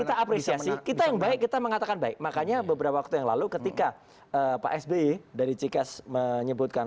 kita apresiasi kita yang baik kita mengatakan baik makanya beberapa waktu yang lalu ketika pak sby dari cikes menyebutkan